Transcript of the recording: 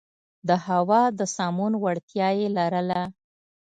د هوا د سمون وړتیا یې لرله.